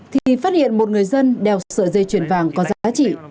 thì phát hiện một người dân đeo sợi dây chuyển vàng có giá trị